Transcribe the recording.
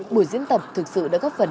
buổi diễn tập thực sự đã góp phần